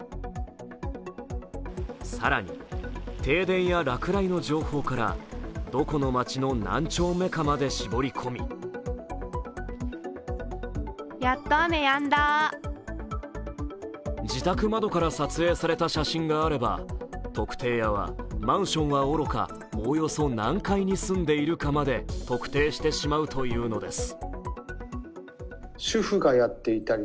更に、停電や落雷の情報からどこの町の何丁目かまで絞り込み自宅窓から撮影された写真があれば、特定屋はマンションはおろかおおよそ何階に住んでいるかまで特定してしまうというのです。